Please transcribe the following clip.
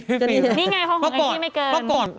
นี่ไงของไอ้ที่ไม่เกิน